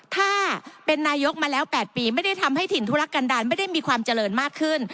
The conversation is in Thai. ถ้าเป็นนายกมาแล้ว๘ปีไม่ได้ทำให้ถิ่นธุรกันดาลไม่ได้มีความเจริญมากขึ้น